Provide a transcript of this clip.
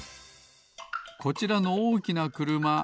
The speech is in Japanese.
こちらのおおきなくるま。